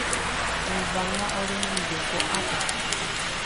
Evána orendive ko'ápe.